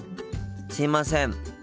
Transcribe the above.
すいません。